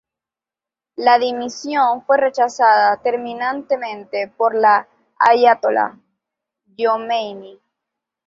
La dimisión fue rechazada terminantemente por el ayatolá Jomeini.